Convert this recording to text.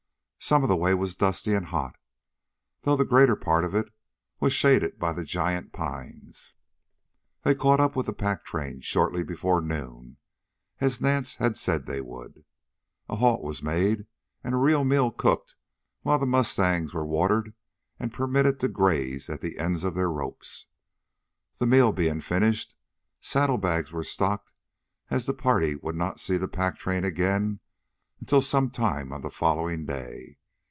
Some of the way was dusty and hot, though the greater part of it was shaded by the giant pines. They caught up with the pack train shortly before noon, as Nance had said they would. A halt was made and a real meal cooked while the mustangs were watered and permitted to graze at the ends of their ropes. The meal being finished, saddle bags were stocked as the party would not see the pack train again until some time on the following day.